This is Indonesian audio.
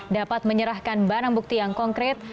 dapat menyerahkan barang bukti yang konkret